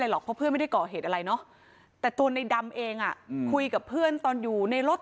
หรอกเพราะเพื่อนไม่ได้ก่อเหตุอะไรเนาะแต่ตัวในดำเองคุยกับเพื่อนตอนอยู่ในรถ